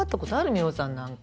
美穂さんなんか。